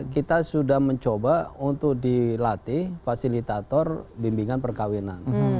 kita sudah mencoba untuk dilatih fasilitator bimbingan perkawinan